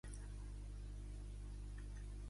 El meu fill es diu Joan: jota, o, a, ena.